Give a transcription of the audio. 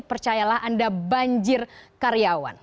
percayalah anda banjir karyawan